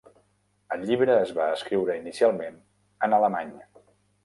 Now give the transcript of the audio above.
El llibre es va escriure inicialment en alemany.